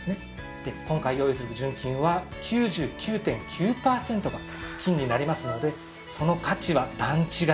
で今回用意する純金は９９．９パーセントが金になりますのでその価値は段違いなんです。